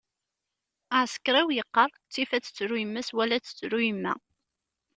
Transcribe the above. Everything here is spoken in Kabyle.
Aεsekriw yeqqar: ttif ad tettru yemma-s wala ad tettru yemma.